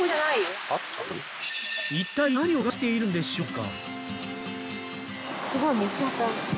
一体何を探しているんでしょうか？